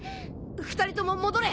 ２人とも戻れ！